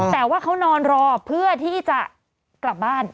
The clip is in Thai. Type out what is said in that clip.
แต่ว่าเขานอนรอเพื่อที่จะกลับบ้าน